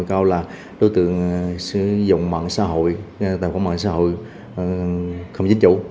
câu là đối tượng sử dụng mạng xã hội tài khoản mạng xã hội không chính chủ